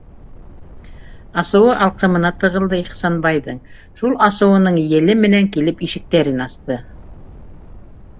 Асыуы алҡымына тығылды Ихсанбайҙың, шул асыуының еле менән килеп ишектәрен асты: